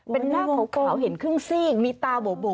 เป็นหน้าของเขาเห็นครึ่งสิ้งมีตาโบ๋